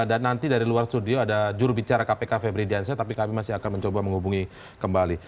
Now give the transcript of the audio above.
dan nanti dari luar studio ada jurubicara kpk febri diansya tapi kami masih akan mencoba menghubungi kembali